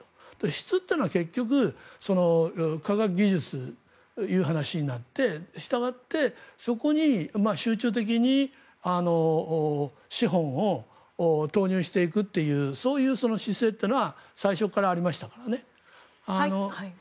質というのは結局、科学技術という話になってしたがって、そこに集中的に資本を投入していくというそういう姿勢というのは最初からありましたからね。